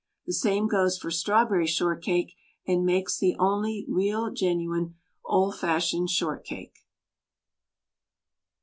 The same goes for strawberry shortcake and makes the only real genuine old fashioned shortcake.